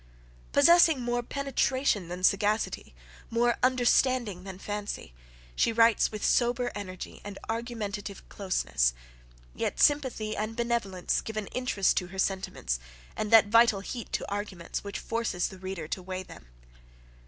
Possessing more penetration than sagacity, more understanding than fancy, she writes with sober energy, and argumentative closeness; yet sympathy and benevolence give an interest to her sentiments, and that vital heat to arguments, which forces the reader to weigh them.